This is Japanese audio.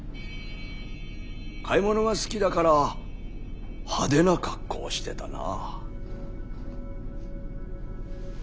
買い物が好きだから派手な格好をしてたな。